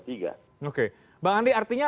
tiga oke bang andi artinya